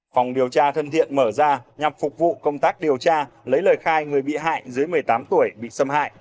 phòng điều tra thân thiện mở ra nhằm phục vụ công tác điều tra lấy lời khai người bị hại dưới một mươi tám tuổi bị xâm hại